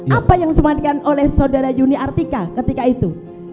apa yang disampaikan oleh saudara yuni artika ketika itu